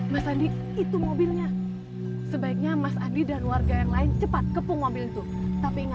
mas andi itu mobilnya sebaiknya mas andi dan warga yang lain cepat kepung mobil itu tapi enggak